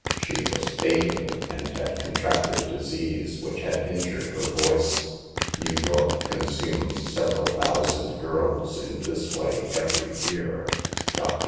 She was fading, and had contracted a disease which had injured her voice. New York consumes several thou sand girls in this way every year." Dr.